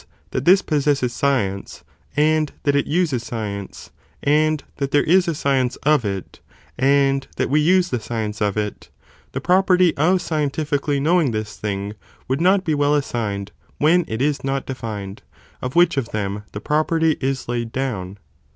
that this possesses science and that it uses science, and that there is a science of it, and that we use the science of it,) the property of scienti fically knowing this thing, would not be well assigned when it is not defined, of which of them, the property is laid down.